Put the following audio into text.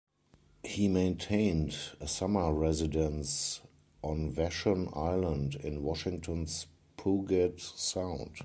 He maintained a summer residence on Vashon Island in Washington's Puget Sound.